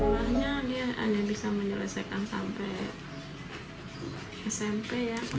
awalnya dia hanya bisa menyelesaikan sampai smp ya